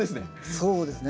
そうですね。